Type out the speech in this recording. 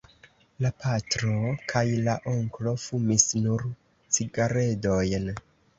La patro kaj la onklo fumis nur cigaredojn.